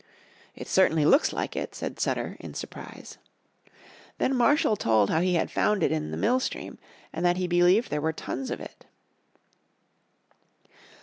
"It certainly looks like it," said Sutter in surprise. Then Marshall told how he had found it in the mill stream, and that he believed there were tons of it.